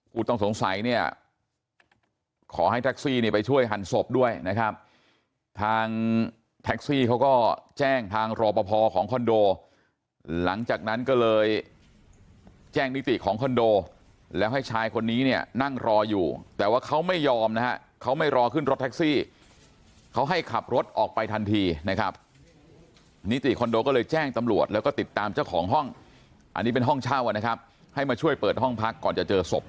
ต้องสงสัยเนี่ยขอให้แท็กซี่เนี่ยไปช่วยหันศพด้วยนะครับทางแท็กซี่เขาก็แจ้งทางรอปภของคอนโดหลังจากนั้นก็เลยแจ้งนิติของคอนโดแล้วให้ชายคนนี้เนี่ยนั่งรออยู่แต่ว่าเขาไม่ยอมนะฮะเขาไม่รอขึ้นรถแท็กซี่เขาให้ขับรถออกไปทันทีนะครับนิติคอนโดก็เลยแจ้งตำรวจแล้วก็ติดตามเจ้าของห้องอันนี้เป็นห้องเช่านะครับให้มาช่วยเปิดห้องพักก่อนจะเจอศพ